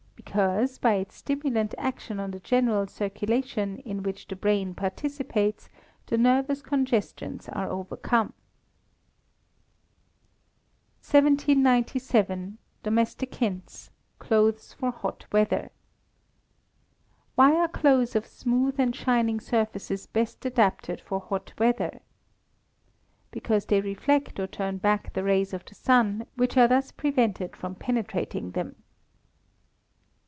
_ Because, by its stimulant action on the general circulation, in which the brain participates, the nervous congestions are overcome. 1797. Domestic Hints (Clothes for Hot Weather). Why are clothes of smooth and shining surfaces best adapted for hot weather? Because they reflect or turn back the rays of the sun, which are thus prevented from penetrating them.